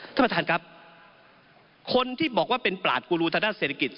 ท่านประธานครับคนที่บอกว่าเป็นปลาดกุรุธนาศเศรษฐกิจ